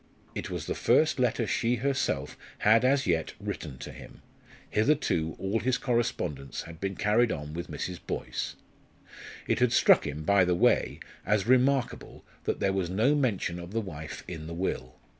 It was the first letter she herself had as yet written to him; hitherto all his correspondence had been carried on with Mrs. Boyce. It had struck him, by the way, as remarkable that there was no mention of the wife in the will.